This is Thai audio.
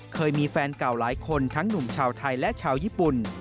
เคยมีแฟนเก่าหลายคนทั้งหนุ่มชาวไทยและชาวญี่ปุ่น